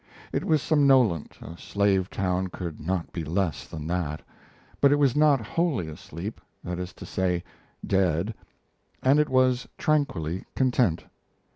It was somnolent (a slave town could not be less than that), but it was not wholly asleep that is to say, dead and it was tranquilly content.